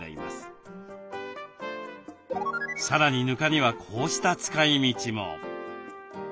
さらにぬかにはこうした使い道も。